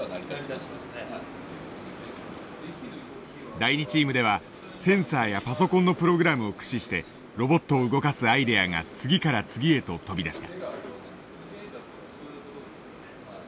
第２チームではセンサーやパソコンのプログラムを駆使してロボットを動かすアイデアが次から次へと飛び出した。